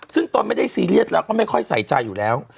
ซึ่งตนไม่ได้ซีเรียสแล้วก็ไม่ค่อยใส่ใจอยู่แล้ว